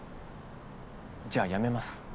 じゃあ辞めます。